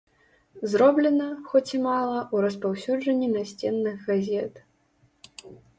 Зроблена, хоць і мала, у распаўсюджанні насценных газет.